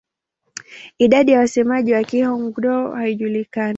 Idadi ya wasemaji wa Kihmong-Dô haijulikani.